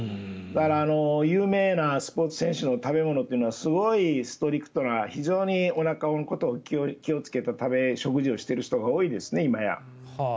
だから有名なスポーツ選手の食べ物というのはすごいストイックな非常におなかのことを気をつけた食事をしている人が今や多いですね。